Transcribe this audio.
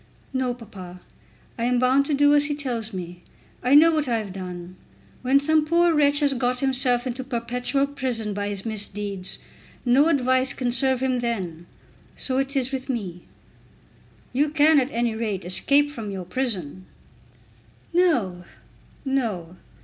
"No, papa. I am bound to do as he tells me. I know what I have done. When some poor wretch has got himself into perpetual prison by his misdeeds, no advice can serve him then. So it is with me." "You can at any rate escape from your prison." "No; no.